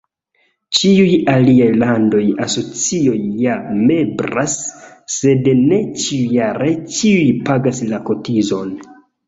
Ĉiuj aliaj landaj asocioj ja membras sed ne ĉiujare ĉiuj pagas la kotizon.